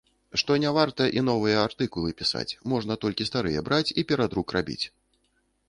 Што не варта і новыя артыкулы пісаць, можна толькі старыя браць і перадрук рабіць!